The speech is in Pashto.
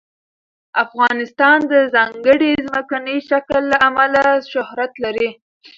افغانستان د ځانګړي ځمکني شکل له امله شهرت لري.